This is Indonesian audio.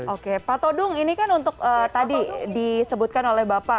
oke pak todung ini kan untuk tadi disebutkan oleh bapak